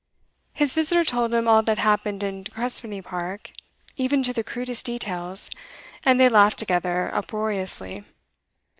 His visitor told him all that happened in De Crespigny Park, even to the crudest details, and they laughed together uproariously.